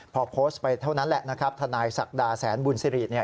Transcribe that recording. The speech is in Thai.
พอโพสต์ไปเท่านั้นแหละนะครับทนายศักดาแสนบุญสิริเนี่ย